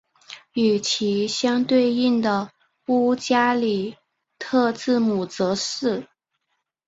与其相对应的乌加里特字母则是。